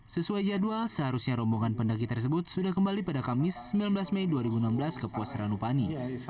sesuai jadwal seharusnya rombongan pendaki tersebut sudah kembali pada kamis sembilan belas mei dua ribu enam belas ke puas ranupani